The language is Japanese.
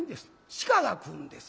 鹿が食うんです。